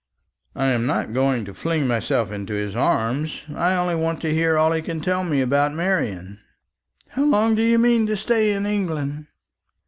"I am not going to fling myself into his arms. I only want to hear all he can tell me about Marian." "How long do you mean to stay in England?"